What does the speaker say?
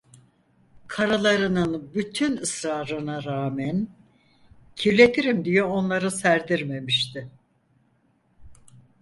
Karılarının bütün ısrarına rağmen, kirletirim diye onları serdirmemişti.